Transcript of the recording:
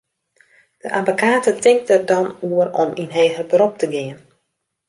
De abbekate tinkt der dan oer om yn heger berop te gean.